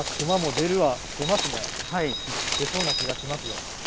出そうな気がしますよ。